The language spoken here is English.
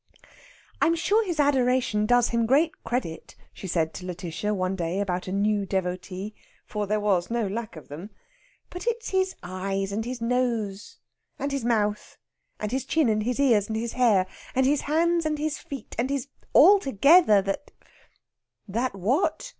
"I'm sure his adoration does him great credit," she said to Lætitia one day about a new devotee for there was no lack of them. "But it's his eyes, and his nose, and his mouth, and his chin, and his ears, and his hair, and his hands and his feet, and his altogether that " "That what?"